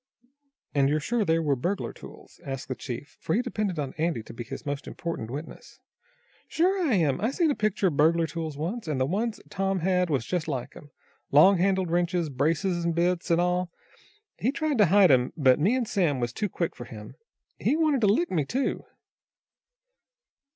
"And you're sure they were burglar tools?" asked the chief, for he depended on Andy to be his most important witness. "Sure I am. I seen a picture of burglar tools once, and the ones Tom had was just like 'em. Long handled wrenches, brace an' bits, an' all. He tried to hide 'em, but me an' Sam was too quick for him. He wanted to lick me, too."